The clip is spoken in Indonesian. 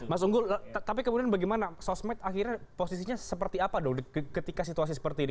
mas unggul tapi kemudian bagaimana sosmed akhirnya posisinya seperti apa dong ketika situasi seperti ini